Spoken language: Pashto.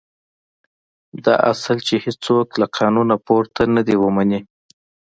دا اصل چې هېڅوک له قانونه پورته نه دی ومني.